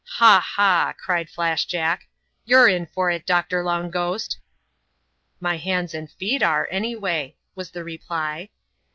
" Ha, ha !" cried Flash Jack, " you're in for it. Doctor Long Ghost." " My hands and feet are, any way," was the reply.